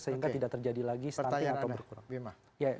sehingga tidak terjadi lagi stunting atau berkurang